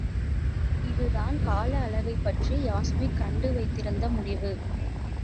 இதுதான் கால அளவைப்பற்றி யாஸ்மி கண்டு வைத்திருந்த முடிவு.